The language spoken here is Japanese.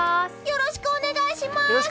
よろしくお願いします！